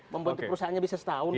membantu perusahaannya bisa setahun kok